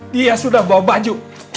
dia sudah bawa baju